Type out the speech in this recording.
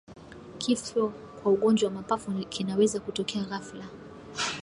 Kifo kwa ugonjwa wa mapafu kinaweza kutokea ghafla